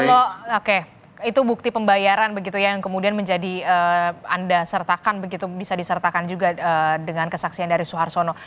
kalau oke itu bukti pembayaran begitu ya yang kemudian menjadi anda sertakan begitu bisa disertakan juga dengan kesaksian dari suharsono